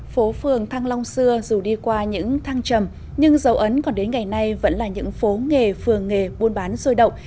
phố phường thăng long xưa dù đi qua những thăng trầm nhưng dấu ấn còn đến ngày nay vẫn là những phố nghề phường nghề buôn bán sôi động